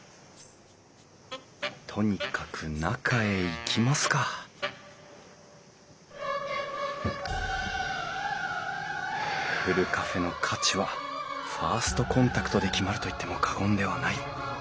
とにかく中へ行きますかふるカフェの価値はファーストコンタクトで決まると言っても過言ではない。